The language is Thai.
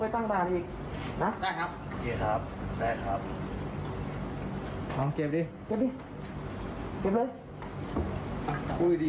ผมไม่ได้บอกพี่พูดไม่ดี